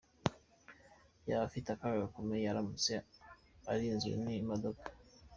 yaba afite akaga gakomeye aramutse arinzwe n’imodoka.